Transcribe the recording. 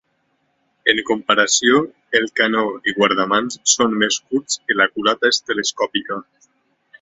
En comparació, el canó i guardamans són més curts i la culata és telescòpica.